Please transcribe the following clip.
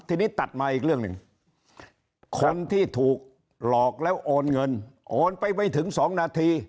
ทีนี้ตัดมาอีกเรื่องหนึ่งคนที่ถูกหลอกแล้วโอนเงินโอนไปไม่ถึง๒นาที